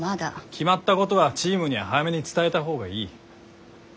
決まったことはチームには早めに伝えた方がいい。